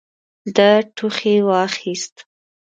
ده ټوخي واخيست.